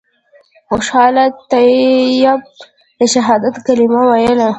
خوشحال طیب د شهادت کلمه ویله.